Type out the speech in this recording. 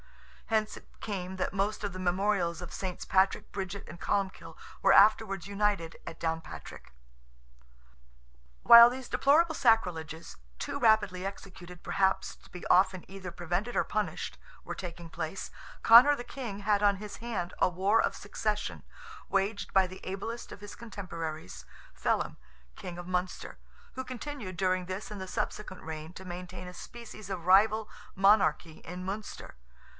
Hence it came that most of the memorials of SS. Patrick, Bridget, and Columbkill, were afterwards united at Downpatrick. While these deplorable sacrileges, too rapidly executed perhaps to be often either prevented or punished, were taking place, Conor the King had on his hand a war of succession, waged by the ablest of his contemporaries, Felim, King of Munster, who continued during this and the subsequent reign to maintain a species of rival monarchy in Munster.